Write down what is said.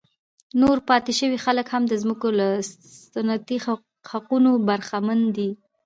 نور پاتې شوي خلک هم د ځمکو له سنتي حقونو برخمن دي.